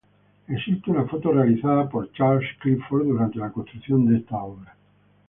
Existe una foto, realizada por Charles Clifford, durante la construcción de esta obra.